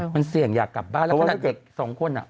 มันเสี่ยงอยากกลับบ้านแล้วขนาดเด็กสองคนอ่ะ